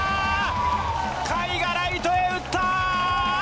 甲斐がライトへ打った！